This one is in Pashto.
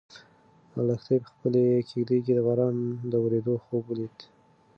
لښتې په خپلې کيږدۍ کې د باران د ورېدو خوب ولید.